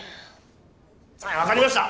分かりました！